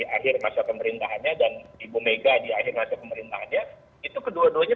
akhir masa pemerintahannya dan ibu mega di akhir masa pemerintahannya itu kedua duanya